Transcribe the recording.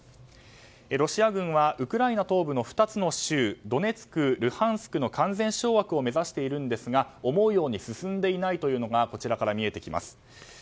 ロシア軍はウクライナ東部の２つの州ドネツク、ルハンスクの完全掌握を目指しているんですが思うように進んでいないというのがこちらから見えてきます。